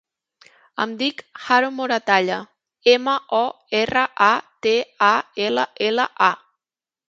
Em dic Haron Moratalla: ema, o, erra, a, te, a, ela, ela, a.